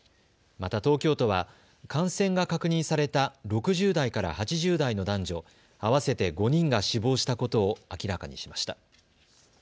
また東京都は感染が確認された６０代から８０代の男女合わせて５人が死亡したことを明らかにしました。